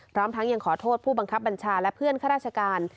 พร้อมทั้งยังขอโทษผู้บังคับบัญชาและเพื่อนข้าราชการ